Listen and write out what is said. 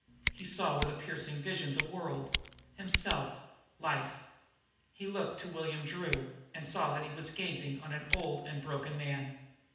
He saw with a piercing vision the world, himself, life. He looked to William Drew and saw that he was gazing on an old and broken man.